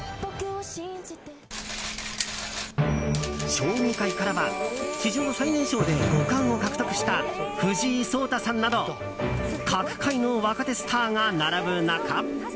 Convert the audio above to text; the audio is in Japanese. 将棋界からは史上最年少で五冠を獲得した藤井聡太さんなど各界の若手スターが並ぶ中